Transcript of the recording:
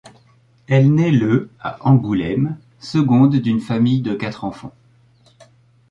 Elle nait le à Angoulême, seconde d’une famille de quatre enfants.